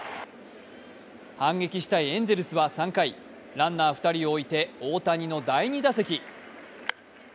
反撃したいエンゼルスは３回、ランナー２人置いて大谷の第２打席。